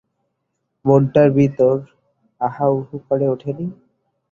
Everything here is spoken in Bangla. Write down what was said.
মনটার ভিতর আহা উহু করে ওঠে নি?